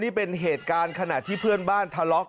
ไปฟังความจากเพื่อนบ้านบอกว่า